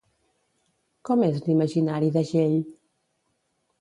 Com és l'imaginari d'Agell?